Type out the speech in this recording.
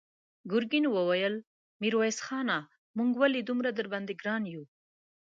ګرګين وويل: ميرويس خانه! موږ ولې دومره درباندې ګران يو؟